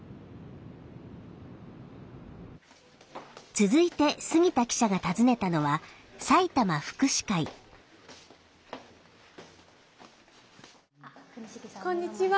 続いて杉田記者が訪ねたのはこんにちは。